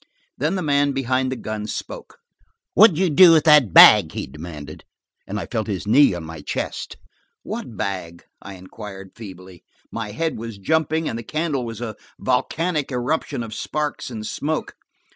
Then the man behind the gun spoke. "What did you do with that bag?" he demanded, and I felt his knee on my chest. "What bag?" I inquired feebly. My head was jumping, and the candle was a volcanic eruption of sparks and smoke.